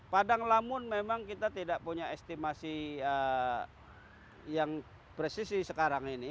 padang lamun memang kita tidak punya estimasi yang presisi sekarang ini